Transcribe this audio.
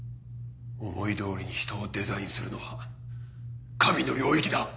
思い通りに人をデザインするのは神の領域だ。